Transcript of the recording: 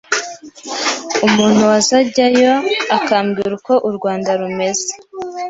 umuntu wazajyayo akabwira uko u Rwanda rumeze